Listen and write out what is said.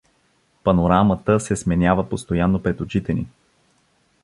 Панорамата се сменява постоянно пред очите ни.